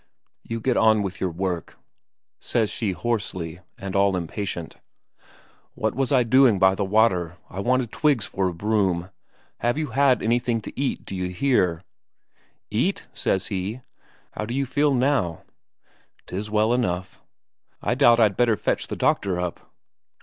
"You get on with your work," says she hoarsely, and all impatient. "What was I doing by the water? I wanted twigs for a broom. Have you had anything to eat, d'you hear?" "Eat?" says he. "How d'you feel now?" "Tis well enough." "I doubt I'd better fetch the doctor up."